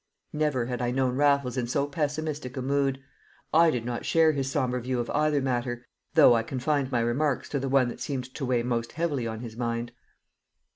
Never had I known Raffles in so pessimistic a mood. I did not share his sombre view of either matter, though I confined my remarks to the one that seemed to weigh most heavily on his mind.